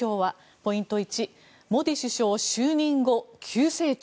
ポイント１モディ首相就任後急成長